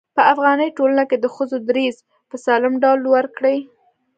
په افغاني ټولنه کې د ښځو دريځ په سالم ډول لوړ کړي.